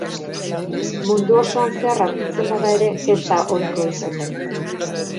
Munduan osoan zehar aurkitzen bada ere ez da ohikoa izaten.